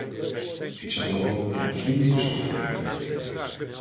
Ik zal daarover een afzonderlijk verslag voorleggen.